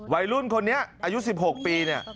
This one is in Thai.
วัยรุ่นคนนี้อายุ๑๖ปี